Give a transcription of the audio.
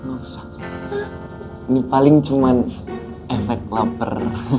ini paling cuma efek lapar